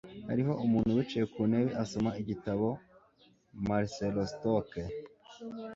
Hariho umuntu wicaye ku ntebe asoma igitabo marcelostockle